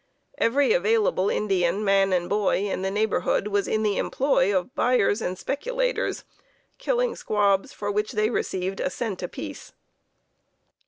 Every available Indian, man and boy, in the neighborhood was in the employ of buyers and speculators, killing squabs, for which they received a cent apiece.